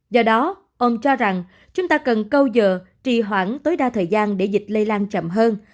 do đó ông cho rằng chúng ta cần câu dừa trì hoãn tối đa thời gian để dịch lây lan chậm hơn